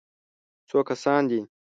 _څو کسان دي؟